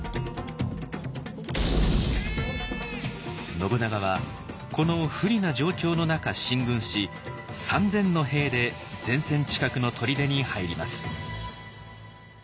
信長はこの不利な状況の中進軍し三千の兵で前線近くの砦に入ります。